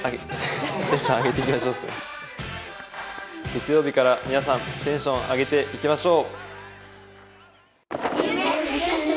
月曜日から皆さんテンション上げていきましょう！